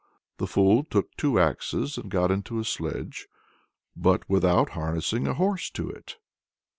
The fool took two axes and got into a sledge, but without harnessing a horse to it.